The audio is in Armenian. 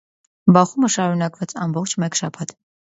Բախումը շարունակվեց ամբողջ մեկ շաբաթ։